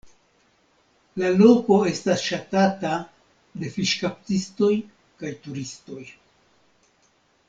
La loko estas ŝatata de fiŝkaptistoj kaj turistoj.